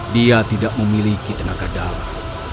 dia tidak memiliki tenaga dalam